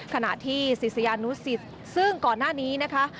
ขณะที่ศิษยานุสิตซึ่งก่อนหน้านี้นะคะ